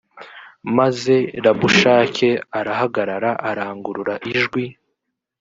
maze rabushake arahagarara arangurura ijwi